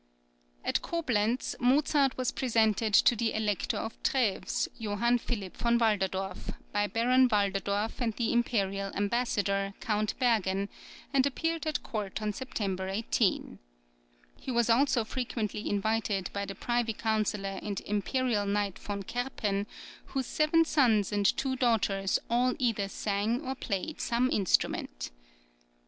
"[20019] At Coblenz, Mozart was presented to the Elector of Treves, Johann Philipp (von Walderdorf), by Baron Walderdorf and the Imperial Ambassador, Count Bergen, and appeared at court on September 18. He was also frequently invited by the Privy Councillor and Imperial Knight von Kerpen, whose seven sons and two daughters all either sang or played some instrument.